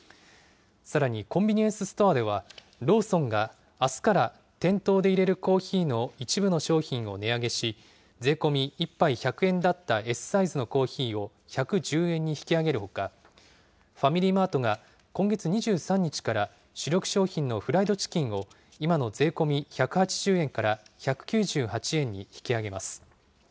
さらにコンビニエンスストアでは、ローソンがあすから、店頭で入れるコーヒーの一部の商品を値上げし、税込み１杯１００円だったＳサイズのコーヒーを１１０円に引き上げるほか、ファミリーマートが今月２３日から、主力商品のフライドチキンを、今の税込み１８０円から１９８円に引き上げます。